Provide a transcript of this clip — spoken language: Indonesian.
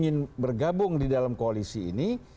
yang tergabung di dalam koalisi ini